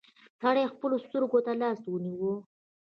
سړي خپلو سترګو ته لاس ونيو.